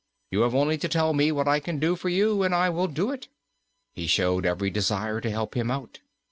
You have only to tell me what I can do for you, and I will do it." He showed every desire to help him out.